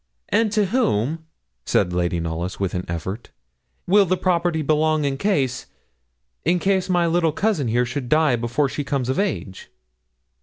'And to whom,' said Lady Knollys, with an effort, 'will the property belong, in case in case my little cousin here should die before she comes of age?'